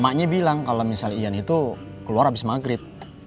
maknya bilang kalau misalnya ian itu keluar abis maghrib